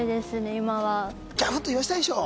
今はギャフンと言わしたいでしょう